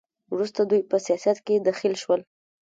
وروسته دوی په سیاست کې دخیل شول.